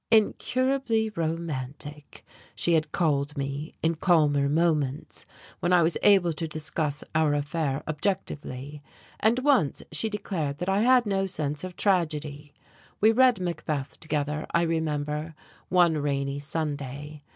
"Incurably romantic," she had called me, in calmer moments, when I was able to discuss our affair objectively. And once she declared that I had no sense of tragedy. We read "Macbeth" together, I remember, one rainy Sunday.